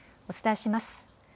お伝えします。